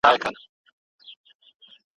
سپین کالي مي چېرته یو سم له اسمانه یمه ستړی